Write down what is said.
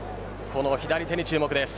この左手に注目です。